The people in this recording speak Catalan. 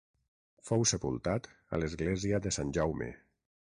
Fou sepultat a l'església de Sant Jaume.